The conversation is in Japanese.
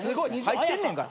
入ってんねんから。